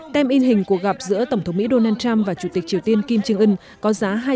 tem in hình cuộc gặp giữa tổng thống mỹ donald trump và chủ tịch triều tiên kim jong un có giá